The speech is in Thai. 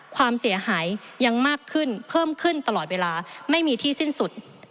ความเสียหายยังมากขึ้นเพิ่มขึ้นตลอดเวลาไม่มีที่สิ้นสุด